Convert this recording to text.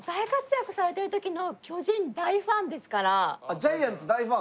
あっジャイアンツ大ファン？